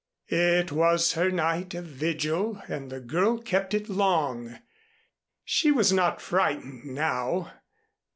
It was her night of vigil and the girl kept it long. She was not frightened now.